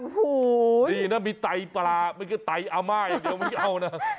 หูยนี่น่ะมีไต่ปลามันก็ไต่อาม่าอย่างเดียวมันไม่เอานะ